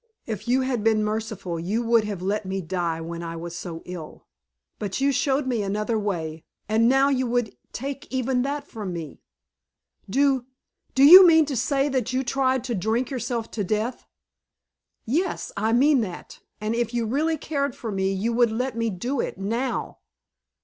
"If you had been merciful you would have let me die when I was so ill. But you showed me another way, and now you would take even that from me." "Do do you mean to say that you tried to drink yourself to death?" "Yes, I mean that. And if you really cared for me you would let me do it now."